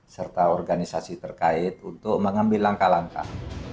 serta organisasi terkait untuk mengambil langkah langkah